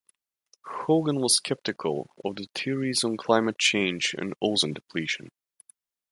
Hogan was skeptical of the theories on climate change and ozone depletion.